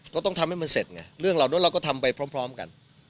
ต้องทำให้มันเสร็จไงเรื่องเหล่านั้นเราก็ทำไปพร้อมกัน